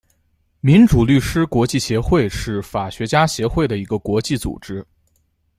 民主律师国际协会是法学家协会的一个国际组织。